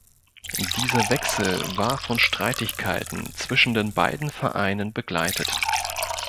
Dieser Wechsel war von Streitigkeiten zwischen den beiden Vereinen begleitet.